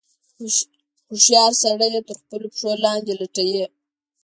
هوښیار سړی یې تر خپلو پښو لاندې لټوي.